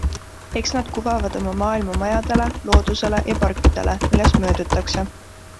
Eks nad kuvavad oma maailma majadele, loodusele ja parkidele, millest möödutakse.